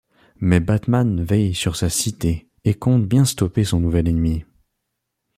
Mais Batman veille sur sa cité et compte bien stopper son nouvel ennemi.